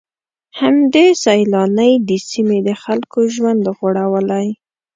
همدې سيلانۍ د سيمې د خلکو ژوند غوړولی.